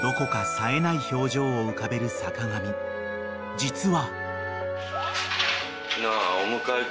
［実は］